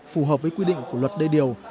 phù hợp với quy định của luật đê điều